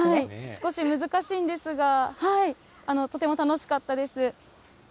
少し難しいんですが、とても楽しかったです。